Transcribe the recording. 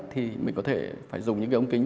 thì mình có thể phải dùng những cái ống kính